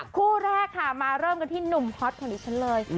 คู่แรกค่ะมาเริ่มกันที่หนุ่มฮอตของดิฉันเลย